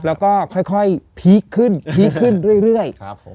แล้วก็ค่อยพีกขึ้นเรื่อย